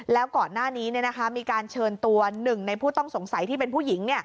แล้วก่อนหน้านี้มีการเชิญตัวหนึ่งในผู้ต้องสงสัยที่เป็นผู้หญิง